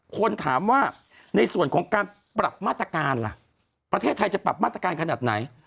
คนถามว่าในส่วนของการปรับมาตรการล่ะประเทศไทยจะปรับมาตรการขนาดไหน